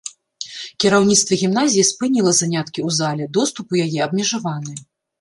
Кіраўніцтва гімназіі спыніла заняткі ў зале, доступ у яе абмежаваны.